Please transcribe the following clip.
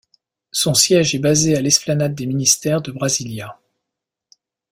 Son siège est basé à l'esplanade des ministères de Brasilia.